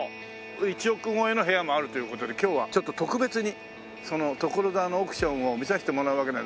１億超えの部屋もあるという事で今日はちょっと特別にその所沢の億ションを見させてもらうわけなんで。